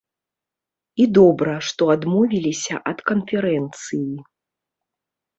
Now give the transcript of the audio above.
І добра, што адмовіліся ад канферэнцыі.